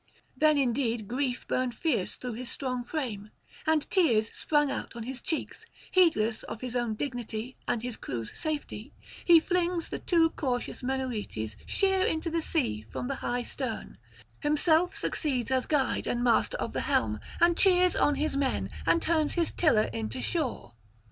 Then indeed grief burned fierce through his strong frame, and tears sprung out on his cheeks; heedless of his own dignity and his crew's safety, he flings the too cautious Menoetes sheer into the sea from the high stern, himself succeeds as guide and master of the helm, and cheers on his men, and turns his tiller in to shore.